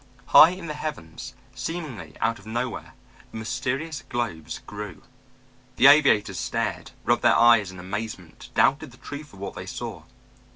High in the heavens, seemingly out of nothing, the mysterious globes grew. The aviators stared, rubbed their eyes in amazement, doubted the truth of what they saw.